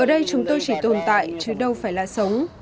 ở đây chúng tôi chỉ tồn tại chứ đâu phải là sống